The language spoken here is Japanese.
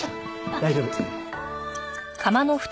大丈夫。